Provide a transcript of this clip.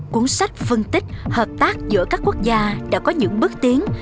cuốn sách phân tích hợp tác giữa các quốc gia đã có những bước tiến